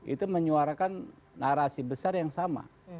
itu menyuarakan narasi besar yang sama